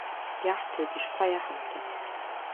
Иаҳҭоит, ишԥа иаҳамҭо?